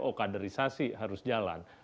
kok kaderisasi harus jalan